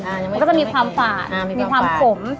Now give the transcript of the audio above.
มันก็จะมีความฝาดมีความขม